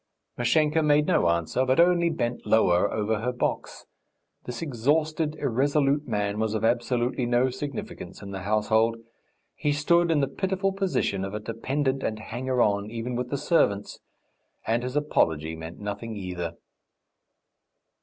Mashenka made no answer, but only bent lower over her box. This exhausted, irresolute man was of absolutely no significance in the household. He stood in the pitiful position of a dependent and hanger on, even with the servants, and his apology meant nothing either.